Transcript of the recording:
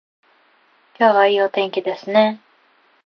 今日はいいお天気ですね